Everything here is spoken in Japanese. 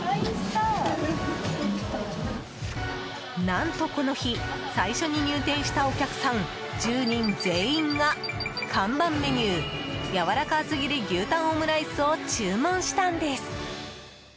何とこの日、最初に入店したお客さん１０人全員が看板メニュー、やわらか厚切り牛タンオムライスを注文したんです。